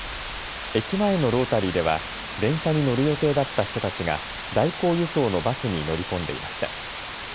駅前のロータリーでは電車に乗る予定だった人たちが代行輸送のバスに乗り込んでいました。